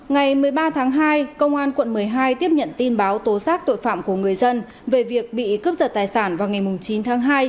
ngày một mươi ba tháng hai công an quận một mươi hai tiếp nhận tin báo tố xác tội phạm của người dân về việc bị cướp giật tài sản vào ngày chín tháng hai